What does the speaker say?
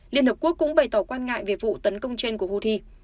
liên hợp quốc cũng bày tỏ quan ngại về vụ tấn công trên của houthi